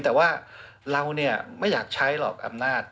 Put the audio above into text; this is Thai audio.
แต่ว่าเราเนี่ยไม่อยากใช้หรอกอำนาจ